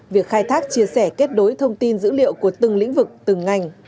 việc khai thác chia sẻ kết nối thông tin dữ liệu của từng lĩnh vực từng ngành